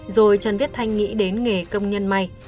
rồi trần viết thanh nghĩ đến nghề công nhân may